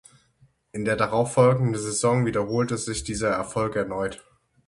In der darauffolgenden Saison wiederholte sich dieser Erfolg erneut.